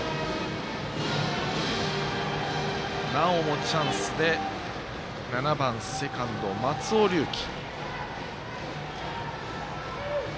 なおもチャンスで７番セカンド、松尾龍樹。